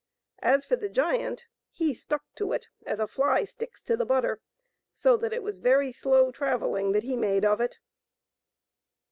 As for the giant, he stuck to it as a fly sticks to the butter, so that it was very slow travelling that he made of it.